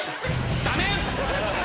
ダメ！